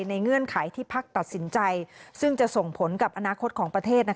เงื่อนไขที่พักตัดสินใจซึ่งจะส่งผลกับอนาคตของประเทศ